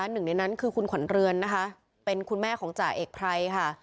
หนึ่งในนั้นคือคุณขวัญเรือนนะคะเป็นคุณแม่ของจ่าเอกไพรค่ะ